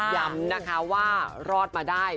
ย้ำนะคะว่ารอดมาได้